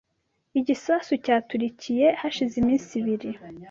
Igisasu cyaturikiye hashize iminsi ibiri.